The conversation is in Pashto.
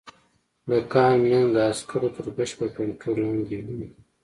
د کان منځ د عسکرو تر بشپړ کنترول لاندې و